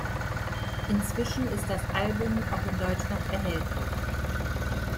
Inzwischen ist das Album auch in Deutschland erhältlich.